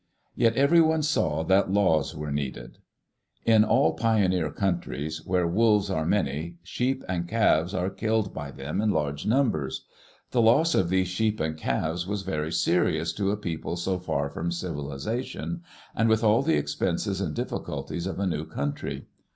Yet everyone saw that laws were needed. In all pioneer countries, where wolves are many, sheep and calves are killed by them in large numbers. The loss of these sheep and calves was very serious to a people so far from civilization, and with all the expenses and diffi culties of a new country.